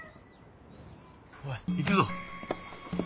おい行くぞ。